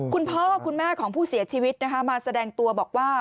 คุณพ่อคุณแม่ของผู้เสียชีวิตนะคะมาแสดงตัวบอกว่า